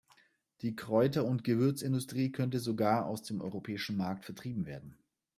Die Kräuter- und Gewürzindustrie könnte sogar aus dem europäischen Markt vertrieben werden.